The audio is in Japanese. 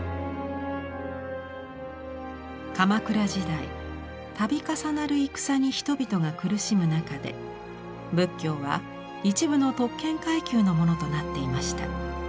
鎌倉時代度重なる戦に人々が苦しむ中で仏教は一部の特権階級のものとなっていました。